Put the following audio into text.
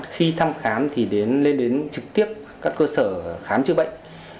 khi thăm khám thì lên đến trực tiếp các cơ sở khám chữa bệnh